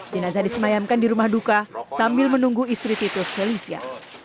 jenazah disemayamkan di rumah duka sambil menunggu istri titus felicia